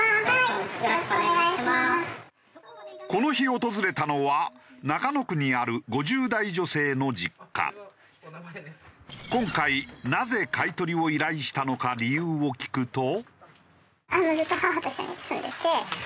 この日訪れたのは中野区にある今回なぜ買い取りを依頼したのか理由を聞くと。